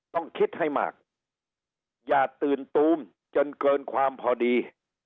ต้องคิดให้มากอย่าตื่นตูมจนเกินความพอดี